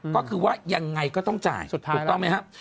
ก็คือว่ายังไงก็ต้องจ่ายสุดท้ายแล้วถูกต้องไหมฮะ